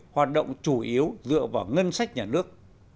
hoạt động chủ yếu dựa vào ngân sách nhà nước